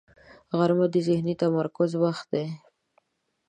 غرمه د ذهني تمرکز وخت دی